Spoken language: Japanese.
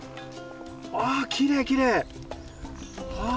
あきれいきれい。